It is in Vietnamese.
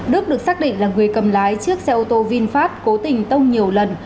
đức được xác định là người cầm lái chiếc xe ô tô vinfast cố tình tông nhiều lần